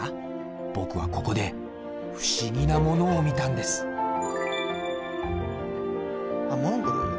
僕はここで不思議なものを見たんですモンゴル？